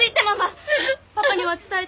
パパには伝えた？